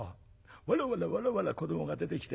わらわらわらわら子どもが出てきてね